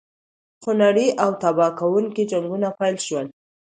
خونړي او تباه کوونکي جنګونه پیل شول.